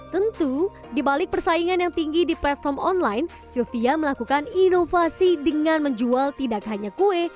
tentu dibalik persaingan yang tinggi di platform online sylvia melakukan inovasi dengan menjual tidak hanya kue